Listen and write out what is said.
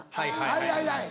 はいはいはい。